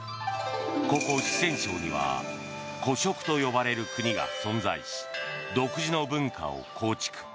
ここ四川省には古蜀と呼ばれる国が存在し独自の文化を構築。